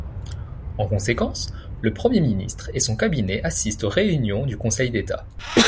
En conséquence, le Premier ministre et son Cabinet assistent aux réunions du Conseil d’État.